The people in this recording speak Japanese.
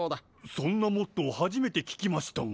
そんなモットーはじめてききましたが。